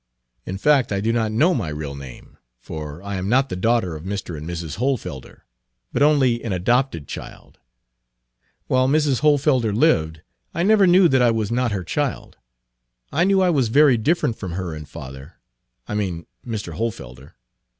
In fact I do not know my real name, for I am not the daughter of Mr. and Mrs. Hohlfelder, but only an adopted child. While Mrs. Hohlfelder lived, I never knew that I was not her child. I knew I was very different from her and father, I mean Mr. Hohlfelder.